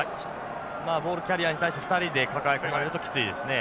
ボールキャリアーに対して２人で抱え込まれるときついですね。